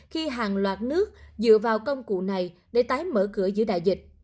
khi hàng loạt nước dựa vào công cụ này để tái mở cửa giữa đại dịch